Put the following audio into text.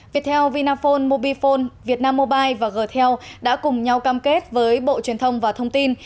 viettel vinaphone mobifone vietnam mobile và gtel đã cùng nhau cam kết với bộ truyền thông và thông tin